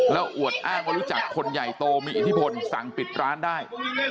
แล้วอวดอ้างว่ารู้จักคนใหญ่โตมีอิทธิพลสั่งปิดร้านได้